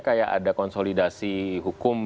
kayak ada konsolidasi hukum